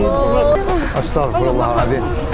yang terhati aku harus sama ustaz